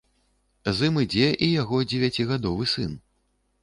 З ім ідзе і яго дзевяцігадовы сын.